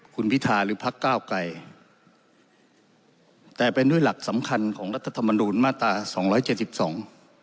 คุณพิธาหรือพักเก้าไกรแต่เป็นด้วยหลักสำคัญของรัฐธรรมนูญมาตราสองร้อยเจ็ดสิบสอง